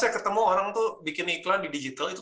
jadi saya ketemu orang tuh bikin iklan di digital itu